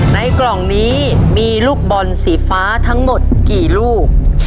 ในกล่องนี้มีลูกบอลสีฟ้าทั้งหมดกี่ลูก